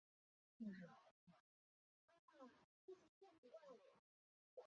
荃湾线以北端的总站设于荃湾站而命名。